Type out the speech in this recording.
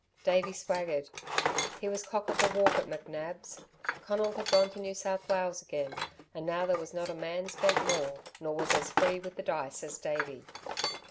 Davey swaggered. He was cock of the walk at McNab's. Conal had gone to New South Wales again, and now there was not a man spent more, nor was as free with the dice as Davey.